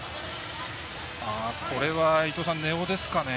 これは、根尾ですかね。